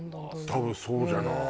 多分そうじゃない？